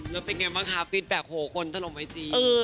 แล้วเป็นยังไงบ้างค่ะฟิตแบกโหคนทะลมไอจี